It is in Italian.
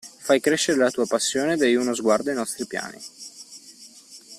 Fai crescere la tua passione, dai uno sguardo ai nostri piani.